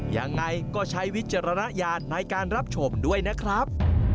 ยังไงก็ใช้วิจารณญาณในการรับชมด้วยนะครับ